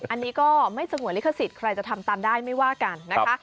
อันนี้ก็ไม่สงวนลิขสิทธิ์ใครจะทำตามได้ไม่ว่ากันนะคะ